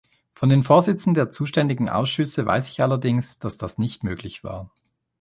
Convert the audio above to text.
Von den Vorsitzenden der zuständigen Ausschüsse weiß ich allerdings, dass das nicht möglich war.